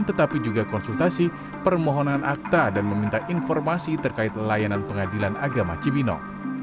tetapi juga konsultasi permohonan akta dan meminta informasi terkait layanan pengadilan agama cibinong